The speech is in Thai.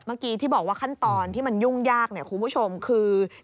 เมื่อกี้ที่บอกว่าขั้นตอนที่มันยุ่งยากเนี่ยคุณผู้ชมคือ